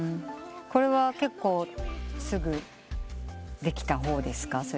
これは結構すぐできた方ですか？